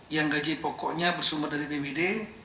yang gaji pokoknya bersumber dari bpd